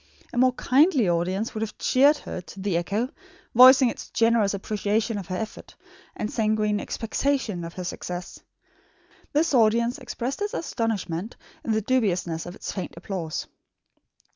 A more kindly audience would have cheered her to the echo, voicing its generous appreciation of her effort, and sanguine expectation of her success. This audience expressed its astonishment, in the dubiousness of its faint applause.